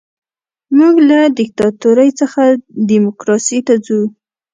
موږ له دیکتاتورۍ څخه ډیموکراسۍ ته ځو.